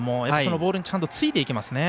ボールにちゃんとついていけますね。